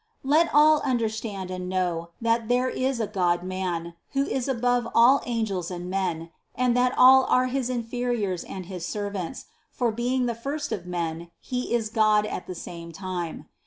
Let all understand and know, that there is a Godman, who is above all angels and men, and that all are his in feriors and his servants, for being the first of men, He is God at the same time.